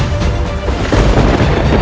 untuk membuatnya terakhir